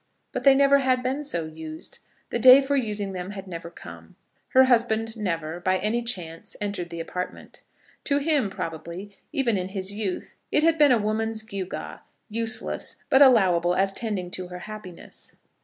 But they never had been so used. The day for using them had never come. Her husband never, by any chance, entered the apartment. To him probably, even in his youth, it had been a woman's gewgaw, useless, but allowable as tending to her happiness.